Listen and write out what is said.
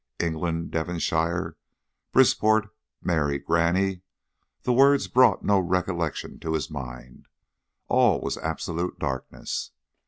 England, Devonshire, Brisport, Mary, Granny the words brought no recollection to his mind. All was absolute darkness.